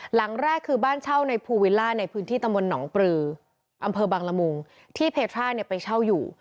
หลังแรกคือบ้านเช่าในภูวิลล่าในพื้นที่ตำบลหนองปลืออำเภอบังละมุงที่เพทราเนี่ยไปเช่าอยู่